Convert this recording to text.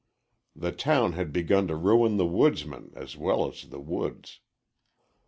The town had begun to ruin the woodsman as well as the woods.